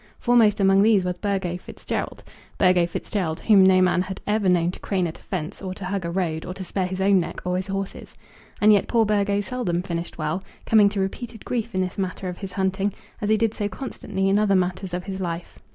Foremost among these was Burgo Fitzgerald, Burgo Fitzgerald, whom no man had ever known to crane at a fence, or to hug a road, or to spare his own neck or his horse's. And yet poor Burgo seldom finished well, coming to repeated grief in this matter of his hunting, as he did so constantly in other matters of his life.